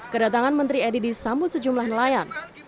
kedatangan menteri edi disambut sejumlah nelayan